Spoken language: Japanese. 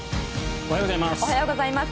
おはようございます。